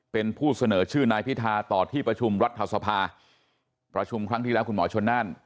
เป็นผู้เสนอชื่อนายพิธาต่อที่ประชุมรัฐสภาประชุมครั้งที่แล้วคุณหมอชนนั่น